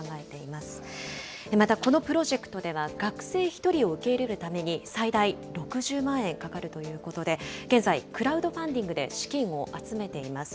また、このプロジェクトでは学生１人を受け入れるために、最大６０万円かかるということで、現在、クラウドファンディングで資金を集めています。